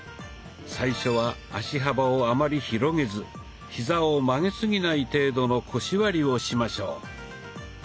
最初は足幅をあまり広げずヒザを曲げすぎない程度の腰割りをしましょう。